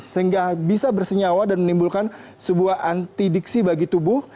sehingga bisa bersenyawa dan menimbulkan sebuah antidiksi bagi tubuh